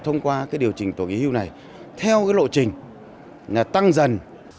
thông qua cái điều chỉnh tuổi nghỉ hưu này theo cái lộ trình là tăng dần